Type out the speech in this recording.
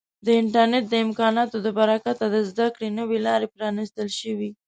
د انټرنیټ د امکاناتو له برکته د زده کړې نوې لارې پرانیستل شوي.